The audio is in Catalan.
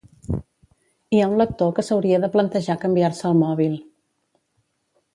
Hi ha un lector que s'hauria de plantejar canviar-se el mòbil